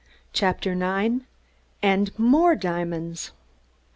CHAPTER IX AND MORE DIAMONDS!